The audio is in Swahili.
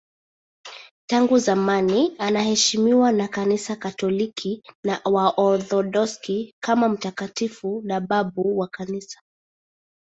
Tangu zamani anaheshimiwa na Kanisa Katoliki na Waorthodoksi kama mtakatifu na babu wa Kanisa.